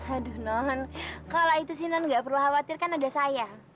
aduh non kalau itu sih non nggak perlu khawatir kan ada saya